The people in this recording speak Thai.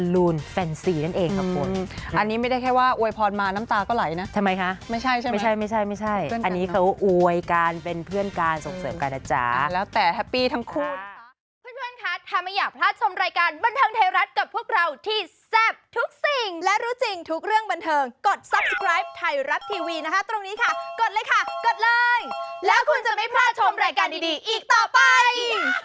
แล้วแต่แฮปปี้ทั้งคู่